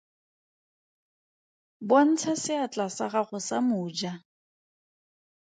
Bontsha seatla sa gago sa moja.